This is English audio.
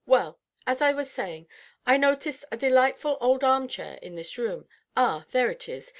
Well, as I was saying, I noticed a delightful old arm chair in this room, ah, there it is!